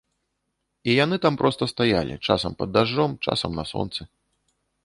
І яны там проста стаялі, часам пад дажджом, часам на сонцы.